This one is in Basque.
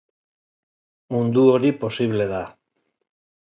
Mundu hori posible da.